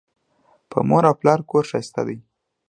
په مور او پلار کور ښایسته دی